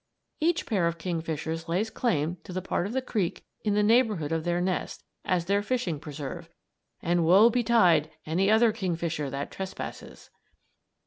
Each pair of kingfishers lays claim to the part of the creek in the neighborhood of their nest, as their fishing preserve, and woe betide any other kingfisher that trespasses!